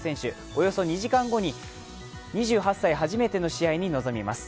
およそ２時間後に２８歳初めての試合に臨みます。